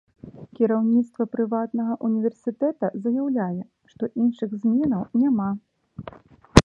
Кіраўніцтва прыватнага ўніверсітэта заяўляе, што іншых зменаў няма.